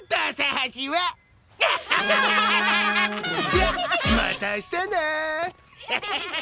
じゃまた明日な！